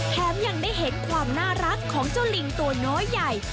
ยังได้เห็นความน่ารักของเจ้าลิงตัวน้อยใหญ่